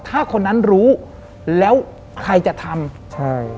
ถ้าคนนั้นรู้แล้วใครจะทำใช่